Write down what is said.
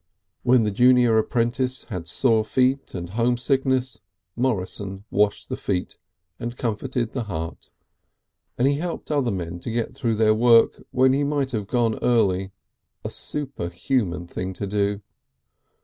When the junior apprentice had sore feet and homesickness Morrison washed the feet and comforted the heart, and he helped other men to get through with their work when he might have gone early, a superhuman thing to do.